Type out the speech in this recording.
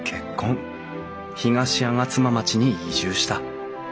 東吾妻町に移住した。